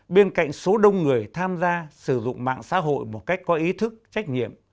bên cạnh số đông người tham gia sử dụng mạng xã hội một cách có ý thức trách nhiệm